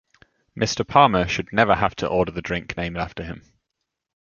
Mr. Palmer should never have to order the drink named after him.